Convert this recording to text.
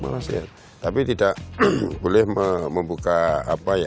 tapi tidak boleh membuka apa ya